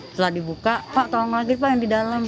setelah dibuka pak tolong maghrib pak yang di dalam